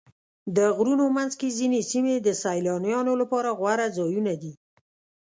د غرونو منځ کې ځینې سیمې د سیلانیانو لپاره غوره ځایونه دي.